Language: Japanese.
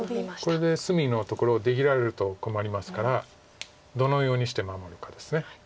これで隅のところを出切られると困りますからどのようにして守るかです。